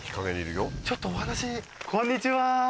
ちょっとお話こんにちは。